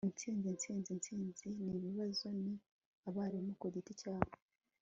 inzitizi, inzitizi, inzitizi, n'ibibazo ni abarimu ku giti cyabo